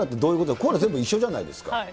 コーラ全部一緒じゃないですか。